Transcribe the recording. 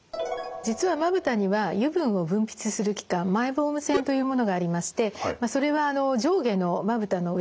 実はまぶたには油分を分泌する器官マイボーム腺というものがありましてそれは上下のまぶたの裏側にあります。